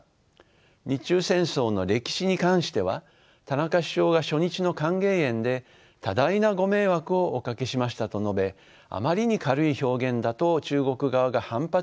日中戦争の歴史に関しては田中首相が初日の歓迎宴で多大なご迷惑をおかけしましたと述べあまりに軽い表現だと中国側が反発したことはよく知られています。